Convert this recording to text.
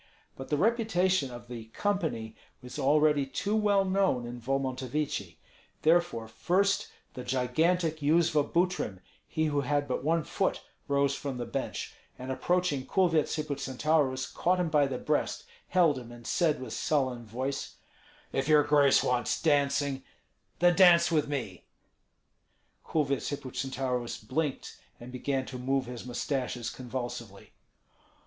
But the reputation of the "company" was already too well known in Volmontovichi; therefore first the gigantic Yuzva Butrym, he who had but one foot, rose from the bench, and approaching Kulvyets Hippocentaurus, caught him by the breast, held him, and said with sullen voice, "If your grace wants dancing, then dance with me." Kulvyets Hippocentaurus blinked, and began to move his mustaches convulsively.